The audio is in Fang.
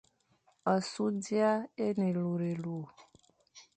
Asu d ia e ne élurélur.